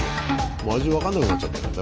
もう味分かんなくなっちゃってない？